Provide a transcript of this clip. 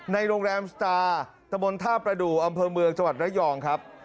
ในโรงแรมสตาร์ตะบนท่าประดูกอำเภอเมืองจังหวัดระยองครับ